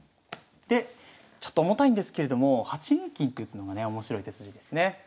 でちょっと重たいんですけれども８二金って打つのがね面白い手筋ですね。